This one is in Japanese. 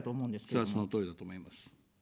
それは、そのとおりだと思います。